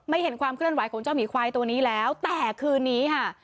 เห็นความเคลื่อนไหวของเจ้าหมีควายตัวนี้แล้วแต่คืนนี้ค่ะ